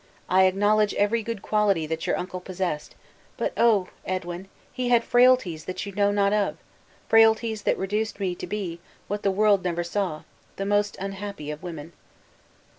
I acknowledge every good quality that your uncle possessed but oh! Edwin, he had frailties that you know not of frailties that reduced me to be, what the world never saw, the most unhappy of women."